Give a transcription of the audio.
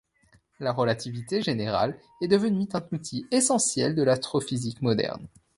La relativité générale est devenue un outil essentiel de l'astrophysique moderne.